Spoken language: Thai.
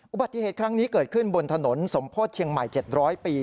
อุบัติเหตุครั้งนี้เกิดขึ้นบนถนนสมโพธิเชียงใหม่๗๐๐ปี